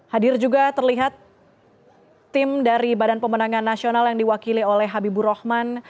hadir juga terlihat tim dari badan pemenangan nasional yang diwakili oleh habibur rahman